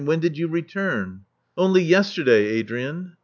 When did you return?" *'Only yesterday, Adrian."